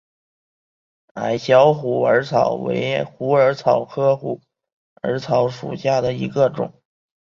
矮小虎耳草为虎耳草科虎耳草属下的一个种。